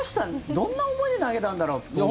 どんな思いで投げたんだろう。